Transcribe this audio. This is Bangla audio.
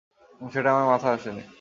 সেটা আমার মাথায় আসেনি।